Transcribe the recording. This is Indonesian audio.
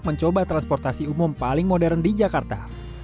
mencoba transportasi umum paling modern di jakarta